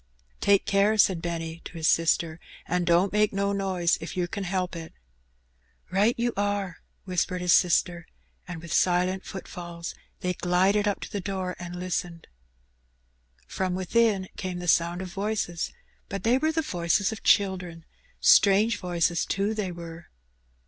''Take care/' said Benny to his sister, "an' don't make no noise if yer can 'elp it." ''Right you are/' whispered his sister, and with silent footfalls they glided up to the door and listened. Prom within came the sound of voices, but they were the voices of children — strange voices, too, they were.